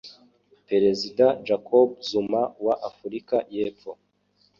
Perezida Jacob Zuma wa Africa y'epfo